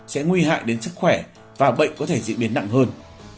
sẽ nguy hại đến sức khỏe và bệnh có thể diễn biến nặng hơn